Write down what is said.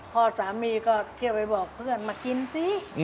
พ่อสามีก็เที่ยวไปบอกเพื่อนมากินสิ